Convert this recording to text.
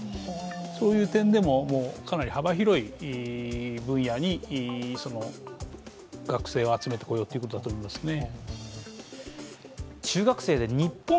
そういう点でもかなり幅広い分野に学生を集めてこようっていうことだと思いますね。